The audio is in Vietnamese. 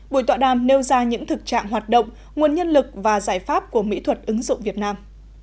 buổi tọa đàm nêu ra những thực trạng hoạt động nguồn nhân lực và giải pháp của mỹ thuật ứng dụng việt nam